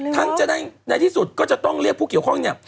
จะได้ในที่สุดก็จะต้องเรียกผู้เกี่ยวข้องเนี่ย